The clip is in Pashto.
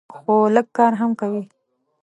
خو لږ کار هم کوي.